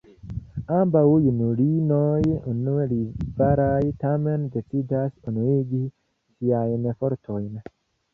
Ambaŭ junulinoj unue rivalaj tamen decidas unuigi siajn fortojn.